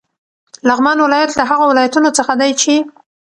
لغمان ولایت له هغو ولایتونو څخه دی چې: